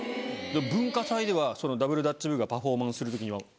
文化祭ではそのダブルダッチ部がパフォーマンスするときには。